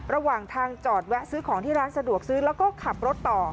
ระหว่างทางจอดแวะซื้อของที่ร้านสะดวกซื้อแล้วก็ขับรถต่อ